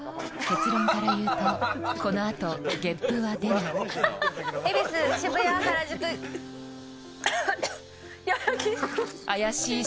結論から言うと、このあとゲップは出ない。